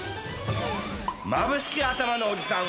まぶしきあたまのおじさん